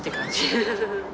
ウフフフ。